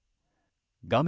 画面